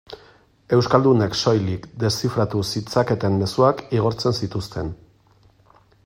Euskaldunek soilik deszifratu zitzaketen mezuak igortzen zituzten.